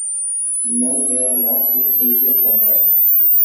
None were lost in aerial combat.